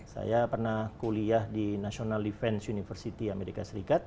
saya pernah kuliah di national defense university amerika serikat